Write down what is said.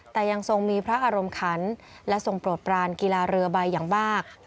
แต่ยังทรงมีพระอารมณ์ขันและทรงโปรดปรานกีฬาเรือใบอย่างมาก